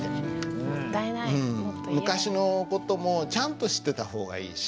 昔の事もちゃんと知ってた方がいいし